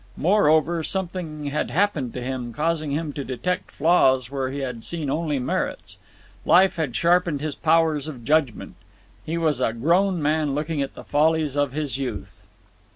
Moreover, something had happened to him, causing him to detect flaws where he had seen only merits. Life had sharpened his powers of judgment. He was a grown man looking at the follies of his youth.